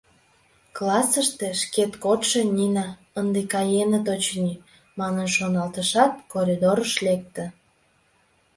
Классыште шкет кодшо Нина, «Ынде каеныт, очыни» манын шоналтышат, коридорыш лекте.